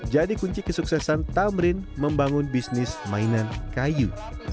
jadi kunci kesuksesan tamrin membangun bisnis mainan kayu